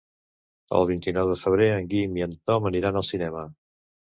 El vint-i-nou de febrer en Guim i en Tom aniran al cinema.